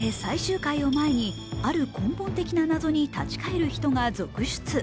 そして最終回を前にある根本的な謎に立ち返る人が続出。